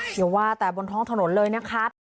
เดี๋ยวว่าแต่บนท้องถนนเลยนะครับ